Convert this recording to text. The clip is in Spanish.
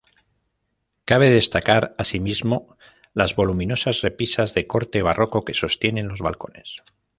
Cabe destacar asimismo las voluminosas repisas de corte barroco que sostienen los balcones.